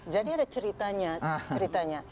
jadi ada ceritanya